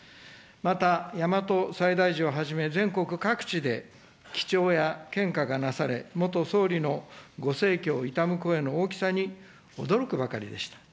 また、大和西大寺をはじめ、全国各地で記帳や献花がなされ、元総理のご逝去を悼む声の大きさに驚くばかりでした。